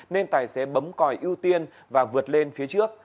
nên tài xế bấm còi ưu tiên và vượt lên phía trước